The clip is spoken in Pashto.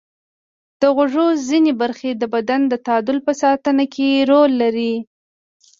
د غوږ ځینې برخې د بدن د تعادل په ساتنه کې رول لري.